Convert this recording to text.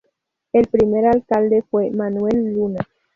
El primer alcalde fue Manuel Luna.